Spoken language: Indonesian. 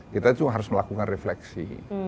kita cuma harus melakukan refleksi